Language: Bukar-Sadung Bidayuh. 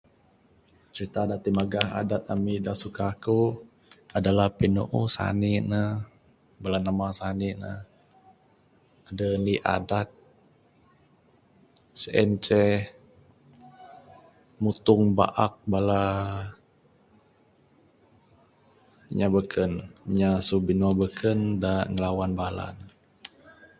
Crita da timagah adap emik de suka eku, adalah pinuuh sanik ne.., bala nemak sanik ne.., edeh indik adat, sien ce.., mutong baak bala..., inya beken, inya mesu binua beken de ngilawan bala.